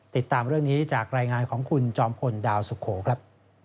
ติดตามเรื่องนี้จากรายงานของคุณจอมพลดาวสุโขครับ